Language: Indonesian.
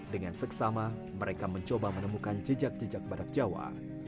dengan seksama mereka mencoba menemukan jejak jejak badak jawa